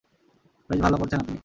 বেশ ভালো করছেন আপনি!